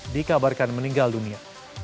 dikabarkan meninggal dunia